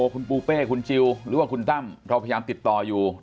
คุณปูเป้คุณจิลหรือว่าคุณตั้มเราพยายามติดต่ออยู่